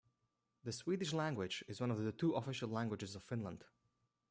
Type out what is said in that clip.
The Swedish language is one of the two official languages of Finland.